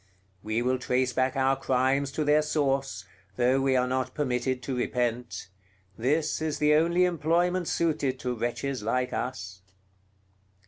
We will trace back our crimes to their source, though we are not permitted to repent; this is the only employment suited to wretches like us!"